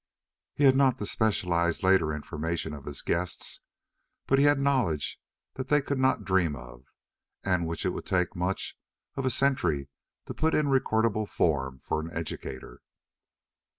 He had not the specialized later information of his guests, but he had knowledge they could not dream of, and which it would take much of a century to put in recordable form for an educator.